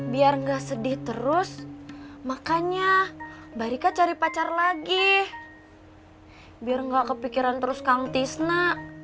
biar nggak sedih terus makanya mbak rika cari pacar lagi biar nggak kepikiran terus kaum tisna